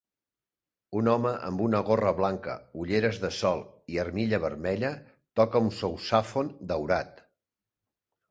Un home amb una gorra blanca, ulleres de sol i armilla vermella toca un sousàfon daurat.